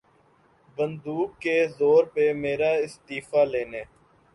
بندوق کے زور پر میرا استعفیٰ لینے